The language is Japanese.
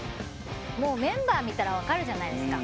もうメンバー見たらわかるじゃないですか。